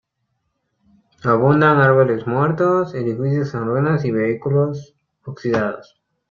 Abundan árboles muertos, edificios en ruinas y vehículos oxidados.